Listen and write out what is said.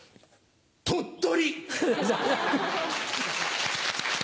「鳥取」。